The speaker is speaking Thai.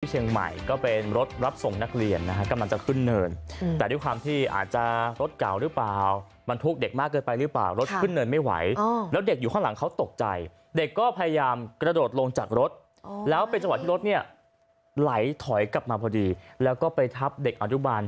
เชียงใหม่ก็เป็นรถรับส่งนักเรียนนะคะกำลังจะขึ้นเนินแต่ด้วยความที่อาจจะรถเก่าหรือเปล่ามันทุกเด็กมาก